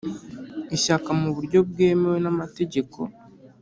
Ishyaka mu buryo bwemewe n amategeko